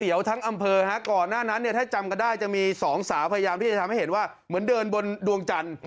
เดี๋ยวทั้งอำเภอฮะก่อนหน้านั้นเนี่ยถ้าจำกันได้จะมีสองสาวพยายามที่จะทำให้เห็นว่าเหมือนเดินบนดวงจันทร์